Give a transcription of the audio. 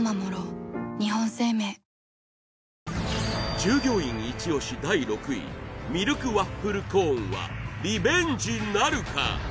従業員イチ押し第６位ミルクワッフルコーンはリベンジなるか？